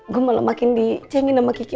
gue malah makin dicengin sama kiki